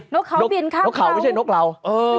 นกเขาเปลี่ยนข้าวเขาไม่ใช่นกเราเออเออเออเออเออเออ